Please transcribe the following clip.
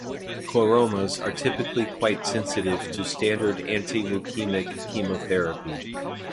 Chloromas are typically quite sensitive to standard antileukemic chemotherapy.